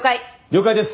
了解です！